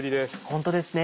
ホントですね。